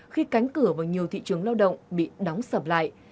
khi cánh cửa vào nhiều thị trường lao động bị đóng sập lại